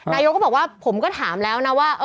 นายกก็บอกว่าผมก็ถามแล้วนะว่า